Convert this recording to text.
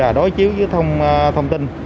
rồi đối chiếu với thông tin